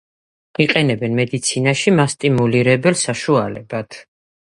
იყენებენ მედიცინაში მასტიმულირებელ საშუალებად.